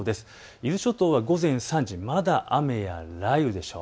伊豆諸島は午前３時まだ雨や雷雨でしょう。